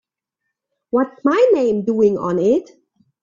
What's my name doing on it?